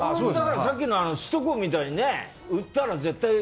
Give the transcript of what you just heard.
さっきの首都高みたいに売ったら絶対。